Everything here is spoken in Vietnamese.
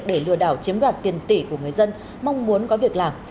để lừa đảo chiếm đoạt tiền tỷ của người dân mong muốn có việc làm